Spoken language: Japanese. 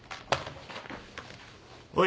おい。